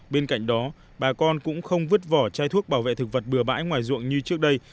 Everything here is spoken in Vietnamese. bên cạnh đó bà con cũng không vứt vỏ chai thuốc bảo vệ thực vật bừa bãi ngoài ruộng như trước đây